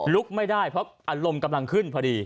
ลุกไม่ได้เพราะอารมณ์กำลังขึ้นพอดี